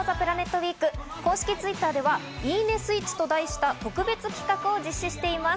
ウィーク。公式Ｔｗｉｔｔｅｒではいいねスイッチと題した特別企画を実施しています。